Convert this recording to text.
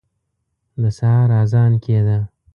د سهار اذان کېده.